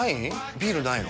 ビールないの？